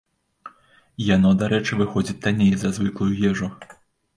Яно, дарэчы, выходзіць танней за звыклую ежу.